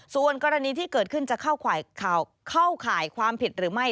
ส่วนกรณีที่เกิดขึ้นจะเข้าข่ายความผิดหรือไม่